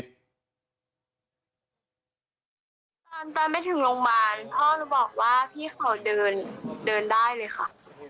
ตอนไปถึงโรงพยาบาลพ่อบอกว่าพี่เขาเดินเดินได้เลยค่ะ